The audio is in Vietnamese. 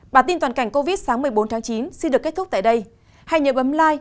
cảm ơn các bạn đã theo dõi và hẹn gặp lại